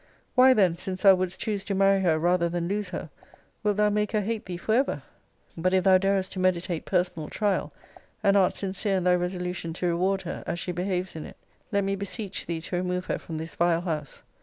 Why then, since thou wouldest choose to marry her rather than lose her, wilt thou make her hate thee for ever? But if thou darest to meditate personal trial, and art sincere in thy resolution to reward her, as she behaves in it, let me beseech thee to remove her from this vile house.